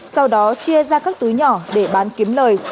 sau đó chia ra các túi nhỏ để bán kiếm lời